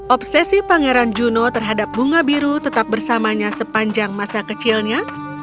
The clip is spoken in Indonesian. obsesi pangeran juno terhadap bunga biru tetap bersamanya sepanjang masa kecilnya